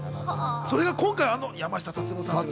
それが今回はあの山下達郎さん。